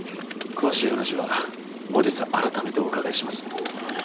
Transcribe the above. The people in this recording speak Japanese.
詳しい話は後日改めてお伺いします。